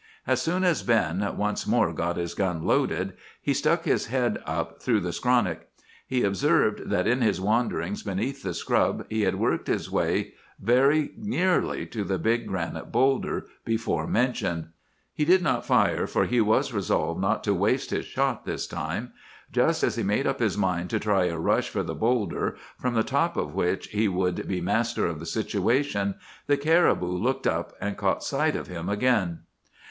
"As soon as Ben once more got his gun loaded, he stuck his head up through the skronnick. He observed that in his wanderings beneath the scrub he had worked his way very nearly to the big granite bowlder before mentioned. "He did not fire, for he was resolved not to waste his shot this time. Just as he made up his mind to try a rush for the bowlder, from the top of which he would be master of the situation, the caribou looked up, and caught sight of him again.